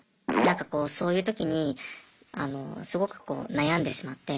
なんかこうそういう時にあのすごくこう悩んでしまって。